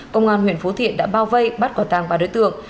công an huyện phú thiện đã bao vây bắt quả tàng ba đối tượng